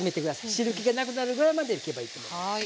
汁けがなくなるぐらいまでいけばいいと思います。